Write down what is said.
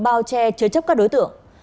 bao che chế chấp các đối tượng